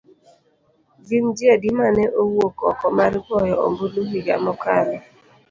Gin ji adi ma ne owuok oko mar goyo ombulu higa mokalo.